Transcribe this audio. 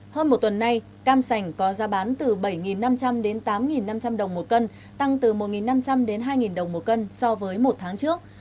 hơn một tuần nay cam sành có giá bán từ bảy năm trăm linh đến tám năm trăm linh đồng một cân tăng từ một năm trăm linh đến hai đồng một cân so với một tháng trước